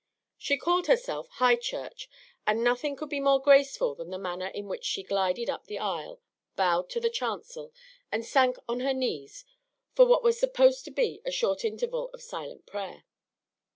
She called herself "High Church;" and nothing could be more graceful than the manner in which she glided up the aisle, bowed to the chancel, and sank on her knees, for what was supposed to be a short interval of silent prayer.